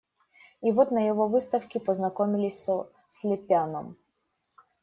И вот на его выставке познакомились со Слепяном.